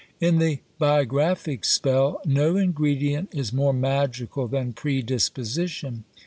In the biographic spell, no ingredient is more magical than predisposition.